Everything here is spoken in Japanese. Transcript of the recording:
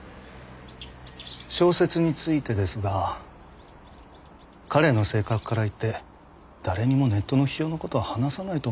小説についてですが“彼”の性格からいって誰にもネットの批評の事は話さないと思いませんか？